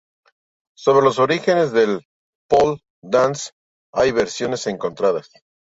Sobre los orígenes del ‘pole dance’ hay versiones encontradas.